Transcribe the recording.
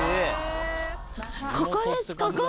ここですここ！